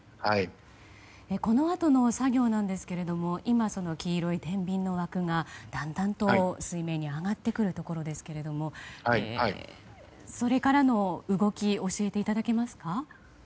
このあとの作業ですが今、黄色い天秤の枠がだんだんと水面に上がってくるところですけどそれからの動き教えていただけますか。